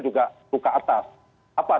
juga buka atas apa